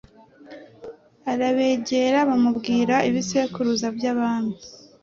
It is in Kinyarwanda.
arabegera, bamubwira Ibisekuruza by'Abami